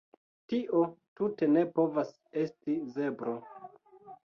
Tio tute ne povas esti zebro